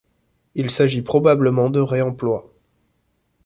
Il s'agit probablement de réemploi.